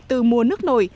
từ mùa nước nổi